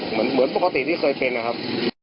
เหมือนปกติที่เคยเป็นนะครับ